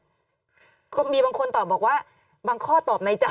คุณธาริชาญมีบางคนตอบบอกว่าบางข้อตอบในใจ